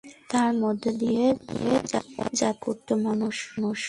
তার মধ্য দিয়ে যাতায়াত করতো মানুষ।